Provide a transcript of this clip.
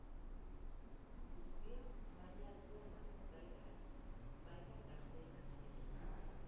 Guztiok maila altua emateko gai gara, baita gazteenak ere.